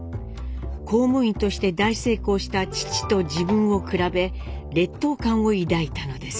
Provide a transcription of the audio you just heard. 公務員として大成功した父と自分を比べ劣等感を抱いたのです。